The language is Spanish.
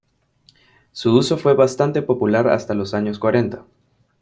Su uso fue bastante popular hasta los años cuarenta.